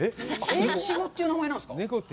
「いちご」という名前なんですか？